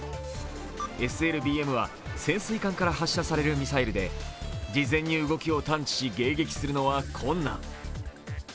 ＳＬＢＭは潜水艦から発射されるミサイルで事前に動きを探知し、迎撃するのは困難。